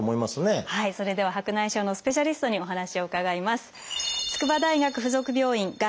それでは白内障のスペシャリストにお話を伺います。